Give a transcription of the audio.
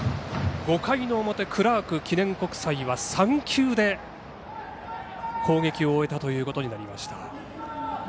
５回の表、クラーク記念国際は３球で攻撃を終えたことになりました。